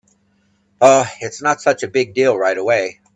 Oh, it’s not such a big deal right away.